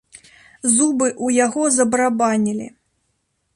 Зубы ў яго забарабанілі.